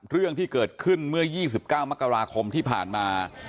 เรื่องที่เกิดขึ้นเมื่อ๒๙มกราคมที่ผ่านมา